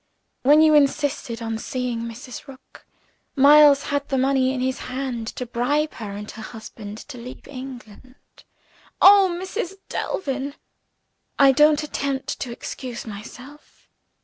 When you insisted on seeing Mrs. Rook, Miles had the money in his hand to bribe her and her husband to leave England." "Oh, Mrs. Delvin!" "I don't attempt to excuse myself.